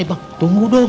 eh bang tunggu dong